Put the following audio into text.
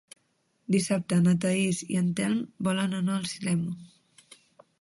Dissabte na Thaís i en Telm volen anar al cinema.